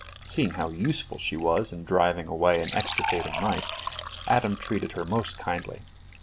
Seeing how useful she was in driving away and extirpating mice, Adam treated her most kindly.